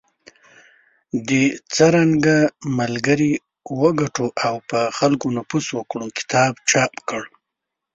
د"څرنګه ملګري وګټو او په خلکو نفوذ وکړو" کتاب چاپ کړ .